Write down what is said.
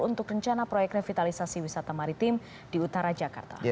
untuk rencana proyek revitalisasi wisata maritim di utara jakarta